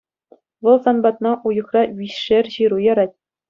Вӑл сан патна уйӑхра виҫшер ҫыру ярать.